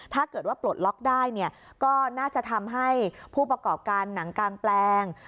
ถ้าเกิดว่าปลดล็อกได้เนี่ยก็น่าจะทำให้ผู้ประกอบการหนังกางแปลง